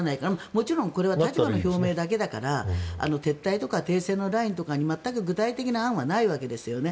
もちろんこれは立場の表明だけだから撤退とか停戦のラインとか全く具体的な案はないわけですよね。